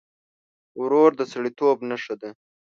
ورور د سړيتوب نښه ده.